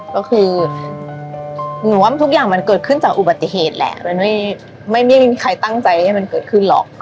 ก็คือหนูว่าทุกอย่างมันเกิดขึ้นจากอุบัติเหตุแหละมันไม่มีใครตั้งใจให้มันเกิดขึ้นหรอก